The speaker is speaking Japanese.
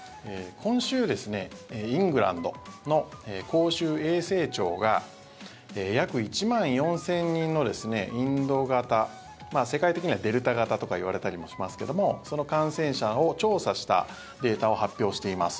今週、イングランドの公衆衛生庁が約１万４０００人のインド型世界的にはデルタ型とかいわれたりもしますけどもその感染者を調査したデータを発表しています。